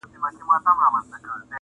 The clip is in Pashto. جهاني څه ویل رویبار په ماته، ماته ژبه٫